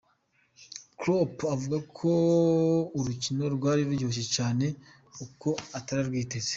Klopp avuga ko urukino rwari ruryoshe cane uko ataravyiteze.